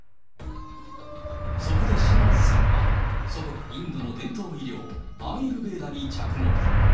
そこでシャナーズさんは、祖国、インドの伝統医療、アーユルベーダに着目。